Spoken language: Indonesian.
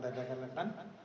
dan jangan lupa